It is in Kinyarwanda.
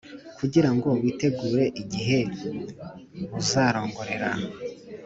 Kugira ngo witegure igiheb uzarongorera